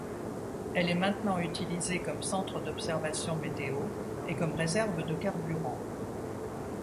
Elle est maintenant utilisée comme centre d'observation météo et comme réserve de carburant.